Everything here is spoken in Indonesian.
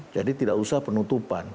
jadi tidak usah penutupan